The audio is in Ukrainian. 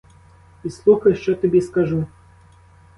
І слухай, що тобі скажу.